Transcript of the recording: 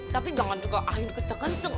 tapi jangan juga aigun keceng keceng